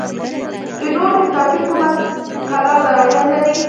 د نورو په توپیر کومه کلا او دروازه نه لري.